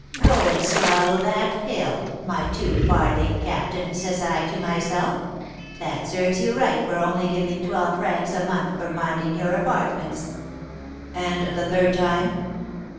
'Go, and swallow that pill, my two farthing captain,' says I to myself; 'that serves you right for only giving twelve francs a month for minding your apartments.'" "And the third time?"